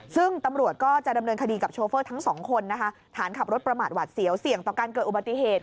ซึ่งตำรวจก็จะดำเนินคดีกับโชเฟอร์ทั้งสองคนนะคะฐานขับรถประมาทหวัดเสียวเสี่ยงต่อการเกิดอุบัติเหตุ